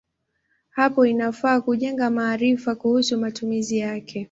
Hapo inafaa kujenga maarifa kuhusu matumizi yake.